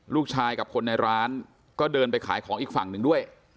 ลูกชายกับคนในร้านก็เดินไปขายของอีกฝั่งหนึ่งด้วย